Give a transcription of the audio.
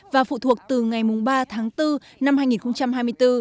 và phụ thuộc từ ngày ba tháng bốn năm hai nghìn hai mươi bốn